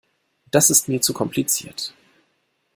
Das ist mir zu kompliziert.